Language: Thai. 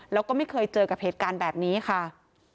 แล้วก็ไม่เคยเจอกับเหตุการณ์แบบนี้ค่ะ